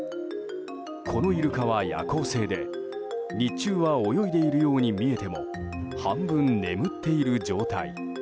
このイルカは夜行性で日中は泳いでいるように見えても半分眠っている状態。